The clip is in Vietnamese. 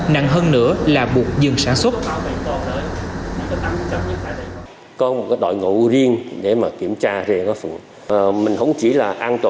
nặng hơn nữa là buộc dừng sản xuất